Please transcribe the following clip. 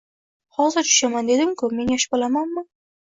Hozir tushaman, dedim-ku! Men yosh bolamanmi?